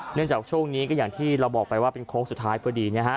จากช่วงนี้ก็อย่างที่เราบอกไปว่าเป็นโค้งสุดท้ายพอดีนะฮะ